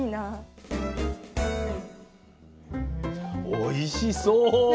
おいしそう！